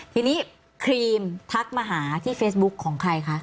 ทีนี้ครีมทักมาหาที่เฟซบุ๊คของใครคะ